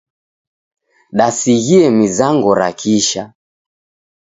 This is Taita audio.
Dasighie mizango ra kisha.